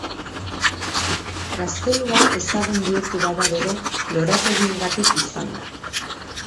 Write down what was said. Gaztelua ezagun bihurtu bada bere lorategiengatik izan da.